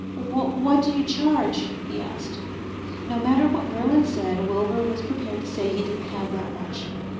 "What do you charge?" he asked. No matter what Merlin said Wilbur was prepared to say he didn't have that much.